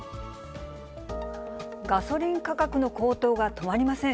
ガソリン価格の高騰が止まりません。